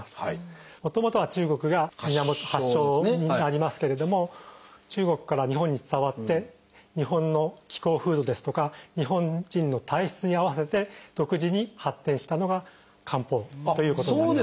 もともとは中国が源発祥になりますけれども中国から日本に伝わって日本の気候風土ですとか日本人の体質に合わせて独自に発展したのが漢方ということになります。